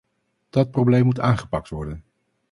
Dat probleem moet aangepakt worden.